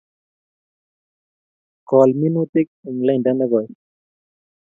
Kol minutik eng lainda nekoi